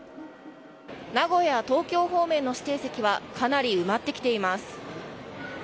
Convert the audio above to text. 名古屋・東京方面の指定席はかなり埋まってきています。